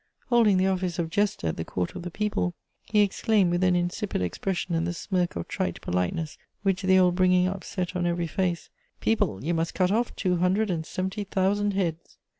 Holding the office of "jester" at the Court of the people, he exclaimed, with an insipid expression and the smirk of trite politeness which the old bringing up set on every face: "People, you must cut off two hundred and seventy thousand heads!"